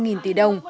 sự kiểm tra